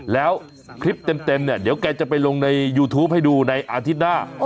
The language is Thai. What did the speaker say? แล้วคลิปเต็มเนี่ยเดี๋ยวแกจะไปลงในยูทูปให้ดูในอาทิตย์หน้า